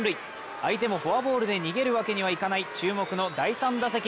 相手もフォアボールで逃げるわけにいかない注目の第３打席。